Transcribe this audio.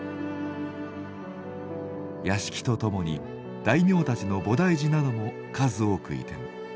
屋敷とともに大名たちの菩提寺なども数多く移転。